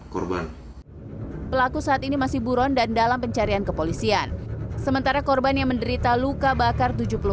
korban pelaku saat ini masih buron dan dalam pencarian kepolisian sementara korban yang menderita luka bakar